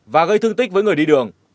và gây thương tích với người đi đường